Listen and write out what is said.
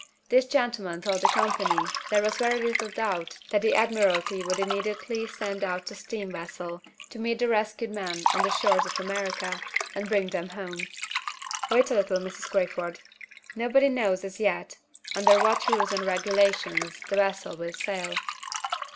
This gentleman told the company there was very little doubt that the Admiralty would immediately send out a steam vessel, to meet the rescued men on the shores of America, and bring them home. Wait a little, Mrs. Crayford! Nobody knows, as yet, under what rules and regulations the vessel will sail.